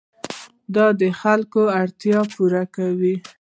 دا د خلکو اړتیاوې پوره کوي.